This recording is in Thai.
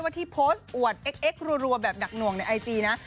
ที่โพสต์อวดเอ็กซ์รัวแบบหนักหน่วงในไอจีนะ